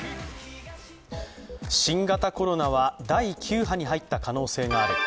新型コロナは第９波に入った可能性がある。